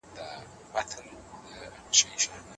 کارکوونکې خپل مالک ته وفاداره وه.